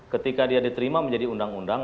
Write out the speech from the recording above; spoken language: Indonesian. ketika dia diterima menjadi undang undang